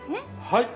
はい。